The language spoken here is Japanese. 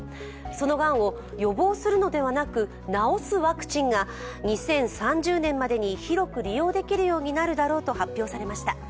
そのがんを予防するのではなく治すワクチンが２０３０年までに広く利用できるようになるだろうと発表されました。